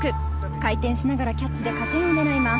回転しながらキャッチで加点を狙います。